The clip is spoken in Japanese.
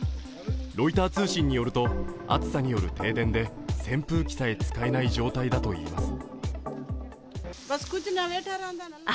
ロイター通信によると、暑さによる停電で扇風機さえ使えない状態だといいます。